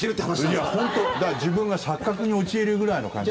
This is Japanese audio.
いや本当、だから自分が錯覚に陥るくらいの感じ。